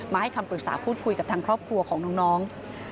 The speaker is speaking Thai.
ให้คำปรึกษาพูดคุยกับทางครอบครัวของน้อง